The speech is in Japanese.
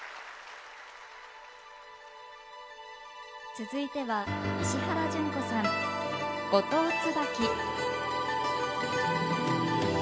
続いては石原詢子さん「五島椿」。